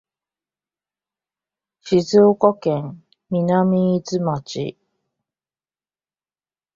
静岡県南伊豆町